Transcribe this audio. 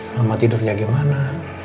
mama tidurnya gimana